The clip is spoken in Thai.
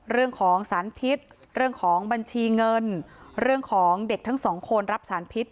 เรื่องของสารพิษเรื่องของบัญชีเงินเรื่องของเด็กทั้งสองคนรับสารพิษ